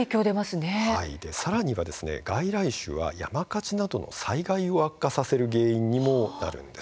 さらには外来種は山火事などの災害を悪化させる原因にもなるんです。